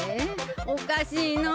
おかしいのう。